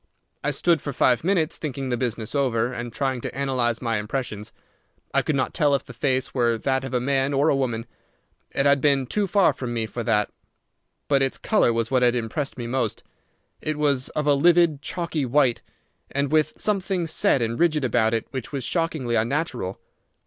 I stood for five minutes thinking the business over, and trying to analyze my impressions. I could not tell if the face were that of a man or a woman. It had been too far from me for that. But its colour was what had impressed me most. It was of a livid chalky white, and with something set and rigid about it which was shockingly unnatural.